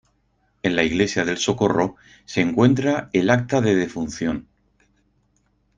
En la Iglesia del Socorro se encuentra el acta de defunción.